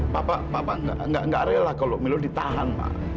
papa nggak rela kalau milo ditahan ma